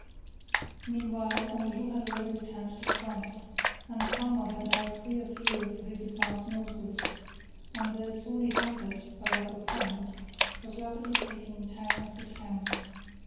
Meanwhile Anjou had already returned to France; and Parma had now a freer field for his advance northwards and, though sorely hampered by lack of funds, was rapidly taking town after town.